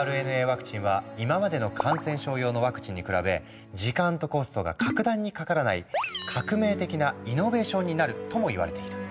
ワクチンは今までの感染症用のワクチンに比べ時間とコストが格段にかからないになるともいわれている。